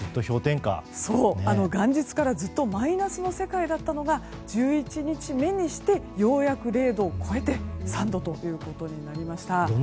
元日からずっとマイナスの世界だったのが１１日目にしてようやく０度を超えて３度ということになりました。